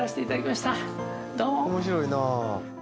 「面白いな」